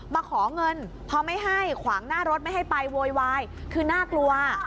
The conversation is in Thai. มาขอเงินพอไม่ให้ขวางหน้ารถไม่ให้ไปโวยวายคือน่ากลัว